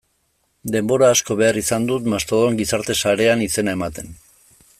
Denbora asko behar izan dut Mastodon gizarte sarean izena ematen.